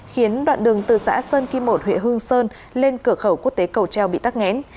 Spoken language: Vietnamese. khiến đoạn đường từ xã sơn kim một huyện hương sơn lên cửa khẩu quốc tế cầu treo bị tắt nghẽn